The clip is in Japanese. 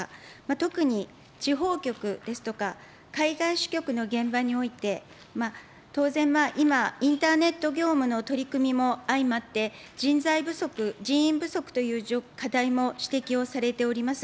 特に地方局ですとか、海外支局の現場において、当然、今、インターネット業務の取り組みも相まって、人材不足、人員不足という課題も指摘をされております。